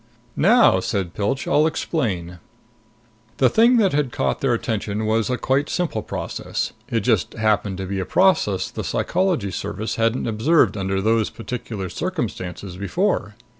"Now," said Pilch, "I'll explain." The thing that had caught their attention was a quite simple process. It just happened to be a process the Psychology Service hadn't observed under those particular circumstances before.